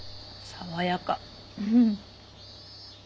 爽やか。